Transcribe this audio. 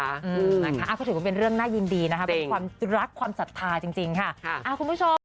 ก็ถือว่าเป็นเรื่องน่ายินดีนะคะเป็นความรักความศรัทธาจริงค่ะคุณผู้ชม